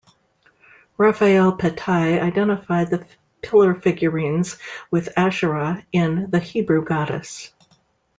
Raphael Patai identified the pillar figurines with Asherah in "The Hebrew Goddess".